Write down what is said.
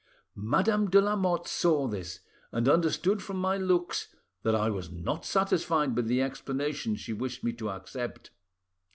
Madame de Lamotte saw this, and understood from my looks that I was not satisfied with the explanation she wished me to accept.